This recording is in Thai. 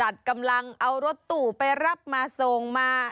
จัดกำลังเอารถตู้ไปรับมาส่งมา